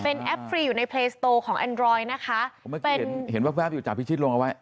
เป็นแอปฟรีอยู่ในเพลย์สโตร์ของแอนดรอยนะคะเห็นแวบแวบอยู่จากพี่ชิดลงเอาไว้